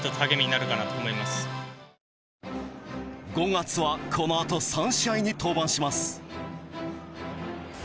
５月はこのあと３試合に登板します。